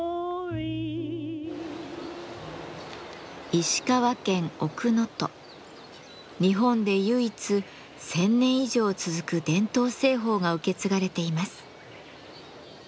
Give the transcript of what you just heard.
塩鑑賞の小壺は日本で唯一１，０００年以上続く伝統製法が受け継がれています。